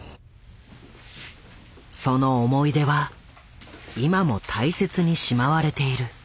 その思い出は今も大切にしまわれている。